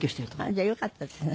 あっじゃあよかったですね。